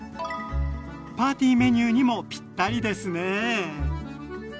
パーティーメニューにもぴったりですね。